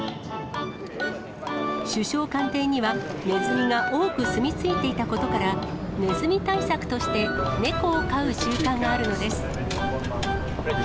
首相官邸にはネズミが多く住み着いていたことから、ネズミ対策として、猫を飼う習慣があるのです。